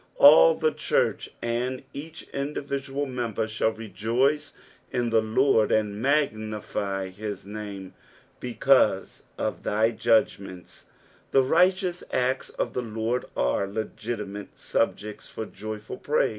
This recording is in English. All the church, and each individual member, should rejoice in the Lord, and magnify his name, SMaow of thy judffmaitt." The righteous acts of the Lord are legitimate subjects for joyful praiw.